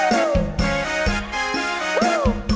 ลืมจ้า